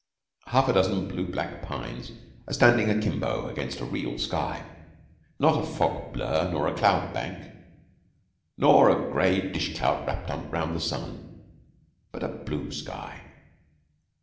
Half a dozen blue black pines are standing akimbo against a real sky not a fog blur nor a cloud bank, nor a gray dish clout wrapped round the sun but a blue sky.